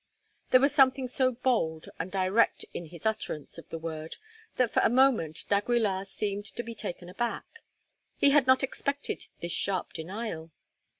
There was something so bold and direct in his utterance of the word that for a moment d'Aguilar seemed to be taken aback. He had not expected this sharp denial.